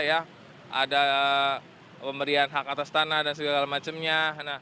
ada pemberian hak atas tanah dan segala macamnya